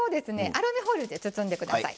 アルミホイルで包んで下さい。